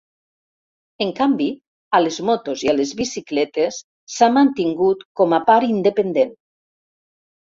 En canvi, a les motos i a les bicicletes s'ha mantingut com a part independent.